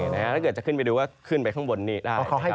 ถ้าเกิดจะขึ้นไปดูก็ขึ้นไปข้างบนนี้ได้